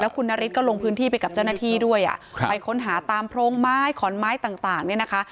แล้วคุณนาริสก็ลงพื้นที่ไปกับเจ้าหน้าที่ด้วยอ่ะครับไปค้นหาตามโพรงไม้ขอนไม้ต่างต่างเนี่ยนะคะ